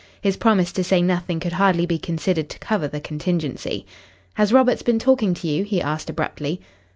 His promise to say nothing could hardly be considered to cover the contingency. "Has Roberts been talking to you?" he asked abruptly.